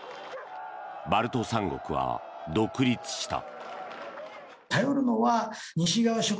バルト三国は独立した。